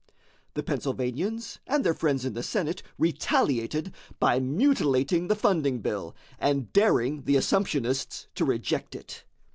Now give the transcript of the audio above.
The Pennsylvanians and their friends in the Senate retaliated by mutilating the funding bill and daring the assumptionists to reject it.